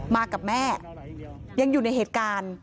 มากับแม่ยังอยู่ในเหตุการณ์